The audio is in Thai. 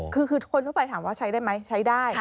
คือคนทั่วไปถามว่าใช้ได้ไหมใช้ได้